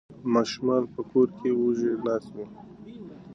ماشومان په کور کې وږي ناست وو.